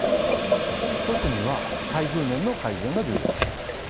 一つには待遇面の改善が重要です。